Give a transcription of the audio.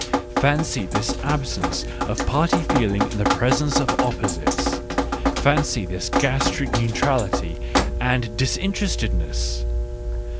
Fancy this absence of party feeling in the presence of opposites ! Fancy this gastric neutrality and "disinterestedness"!